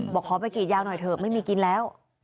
บอกขอไปกรีดยาวหน่อยเถอะไม่มีกินแล้ว